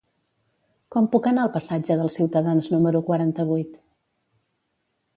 Com puc anar al passatge dels Ciutadans número quaranta-vuit?